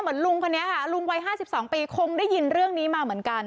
ลุงคนนี้ค่ะลุงวัย๕๒ปีคงได้ยินเรื่องนี้มาเหมือนกัน